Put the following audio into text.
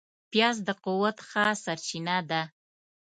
پیاز د قوت ښه سرچینه ده